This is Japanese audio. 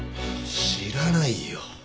知らないよ。